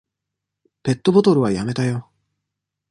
ペットボトルはやめたよ。